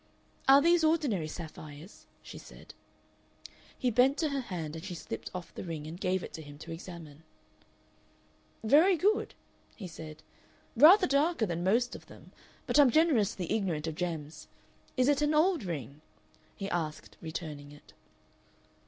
"Are these ordinary sapphires?" she said. He bent to her hand, and she slipped off the ring and gave it to him to examine. "Very good," he said. "Rather darker than most of them. But I'm generously ignorant of gems. Is it an old ring?" he asked, returning it.